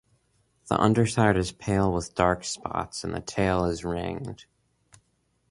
The underside is pale with dark spots and the tail is ringed.